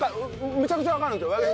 めちゃくちゃわかるんですよ。